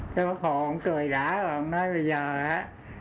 cái bắt hồ ông cười đã ông nói bây giờ á